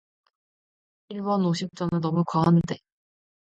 일 원 오십 전은 너무 과한데.